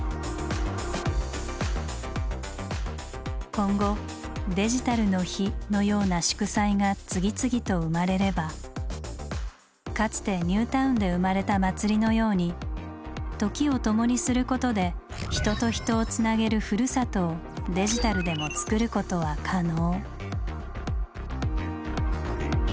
今後「デジタルの日」のような祝祭が次々と生まれればかつてニュータウンで生まれた祭りのように「時」を共にすることで人と人をつなげる「ふるさと」をデジタルでも作ることは可能。